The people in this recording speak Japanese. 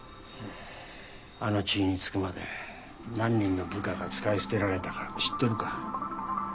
あの地位に就くまで何人の部下が使い捨てられたか知ってるか？